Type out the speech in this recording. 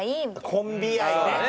コンビ愛ね。